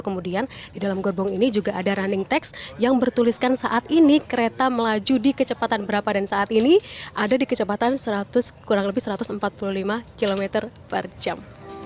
kemudian di dalam gerbong ini juga ada running text yang bertuliskan saat ini kereta melaju di kecepatan berapa dan saat ini ada di kecepatan kurang lebih satu ratus empat puluh lima km per jam